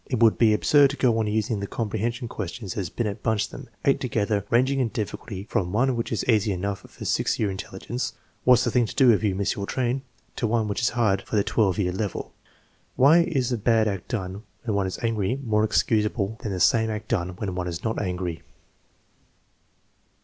It would be absurd to go on using the com prehension questions as Binet bunched them, eight together, ranging in difficulty from one which is easy enough for 6 year intelligence (" What 9 s the thing to do if you miss your train? ") to one which is hard for the 12 year level (" Why is a bad act done when one is angry more excusable than the same act done when one is not angry?